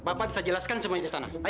bapak bisa jelaskan semuanya di sana